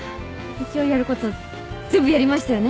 一応やること全部やりましたよね？